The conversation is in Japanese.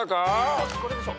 よしこれでしょ！